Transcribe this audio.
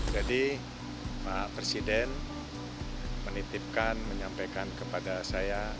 jadi pak presiden menitipkan menyampaikan kepada saya